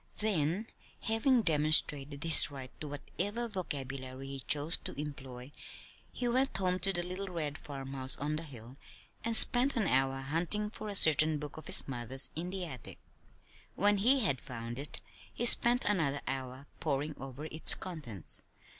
Then, having demonstrated his right to whatever vocabulary he chose to employ, he went home to the little red farmhouse on the hill and spent an hour hunting for a certain book of his mother's in the attic. When he had found it he spent another hour poring over its contents.